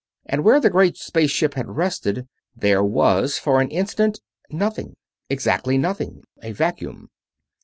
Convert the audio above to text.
And where the great space ship had rested there was for an instant nothing. Exactly nothing a vacuum.